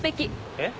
えっ？